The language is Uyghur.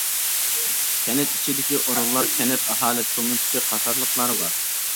كەنت ئىچىدىكى ئورۇنلار كەنت ئاھالە كومىتېتى قاتارلىقلار بار.